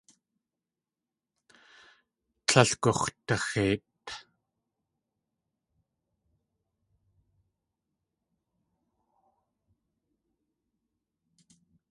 Tlél gux̲daxeit.